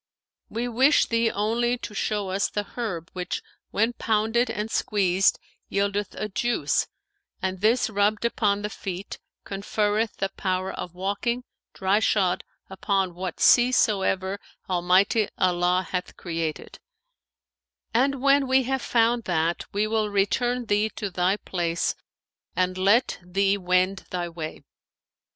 We wish thee only to show us the herb which, when pounded and squeezed yieldeth a juice, and this rubbed upon the feet conferreth the power of walking dryshod upon what sea soever Almighty Allah hath created; and when we have found that, we will return thee to thy place and let thee wend thy way.'